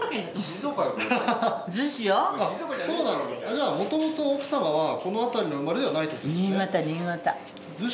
じゃあ元々奥様はこの辺りの生まれではないってことですね。